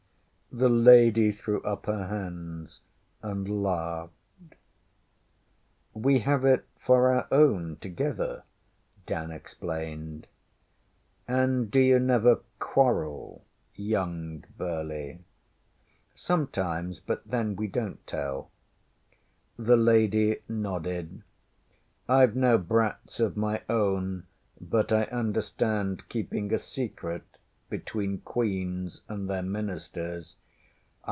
ŌĆÖ The lady threw up her hands and laughed. ŌĆśWe have it for our own, together, ŌĆÖ Dan explained. ŌĆśAnd dŌĆÖyou never quarrel, young Burleigh? ŌĆÖ ŌĆśSometimes, but then we donŌĆÖt tell. ŌĆÖ The lady nodded. ŌĆśIŌĆÖve no brats of my own, but I understand keeping a secret between Queens and their Ministers.